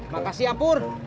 makasih ya pur